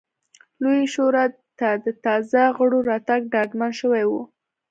لویې شورا ته د تازه غړو راتګ ډاډمن شوی و.